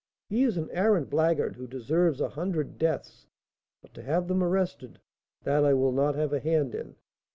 He is an arrant blackguard, who deserves a hundred deaths; but to have them arrested, that I will not have a hand in."